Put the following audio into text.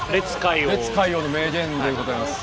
烈海王の名言でございます。